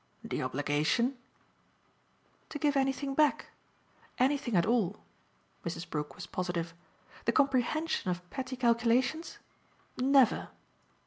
"The obligation ?" "To give anything back. Anything at all." Mrs. Brook was positive. "The comprehension of petty calculations? Never!"